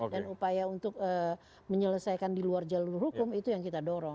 dan upaya untuk menyelesaikan di luar jalur hukum itu yang kita dorong